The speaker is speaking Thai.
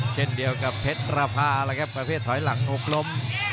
เช่นเดียวกับเพชรภาครับประเภทถอยหลังอกลม